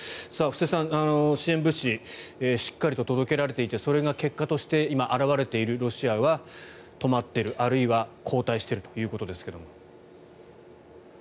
布施さん、支援物資しっかりと届けられていてそれが結果として今、表れているロシアは止まっているあるいは後退しているということですが。